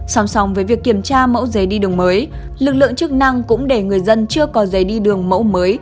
song song với việc kiểm tra mẫu giấy đi đường mới lực lượng chức năng cũng để người dân chưa có giấy đi đường mẫu mới